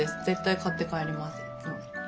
絶対買って帰りますいつも。